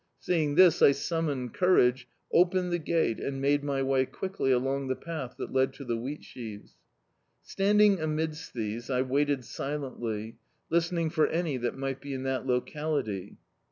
Seeing this, I summoned courage, opened the gate, and made my way quickly along the path that led to the wheatsheavcs. Standing amidst these I waited silently, listening for any that might be in that locality.